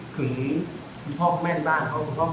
หรือว่าจริง